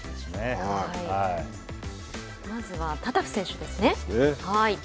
まずはタタフ選手ですね。